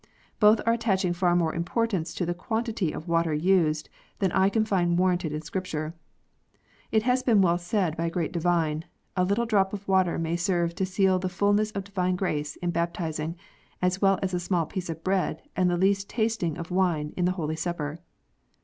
Both are attaching far more importance to the quantity of water used than I can find warranted in Scripture. It has been well said by a great divine, "A little drop of water may serve to seal the fulness of divine grace in baptizing as well as a small piece of bread and the least tasting of wine in the Holy Supper."